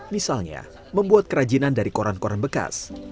misalnya membuat kerajinan dari koran koran bekas